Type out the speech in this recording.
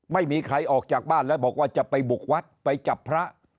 ไม่มีใครออกจากบ้านแล้วบอกว่าจะไปบุกวัดไปจับพระ